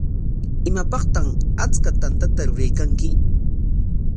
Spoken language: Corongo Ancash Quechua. ¿Imapaqtaq achka tantata ruraykanki?